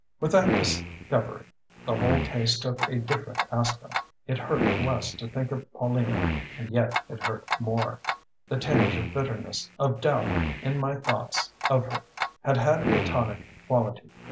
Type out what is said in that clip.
"With that discovery the whole case took a different aspect. It hurt less to think of Paulina and yet it hurt more. The tinge of bitterness, of doubt, in my thoughts of her had had a tonic quality.